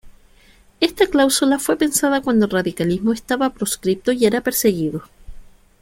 Esta cláusula fue pensada cuando el radicalismo estaba proscripto y era perseguido.